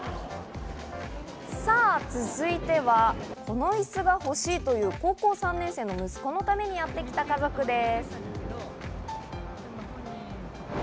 続いては、このイスが欲しいという高校３年生の息子のためにやってきた家族です。